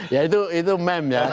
ya itu meme ya